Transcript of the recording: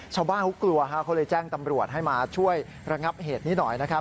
ชาวบ้านเขากลัวฮะเขาเลยแจ้งตำรวจให้มาช่วยระงับเหตุนี้หน่อยนะครับ